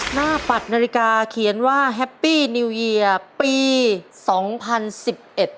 ปัดนาฬิกาเขียนว่าแฮปปี้นิวเยียร์ปีสองพันสิบเอ็ด